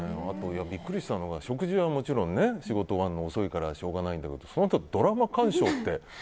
ビックリしたのが食事はもちろん仕事が終わるのが遅いからしょうがないけどそのあと、ドラマ鑑賞って。